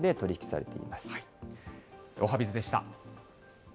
近おはＢｉｚでした。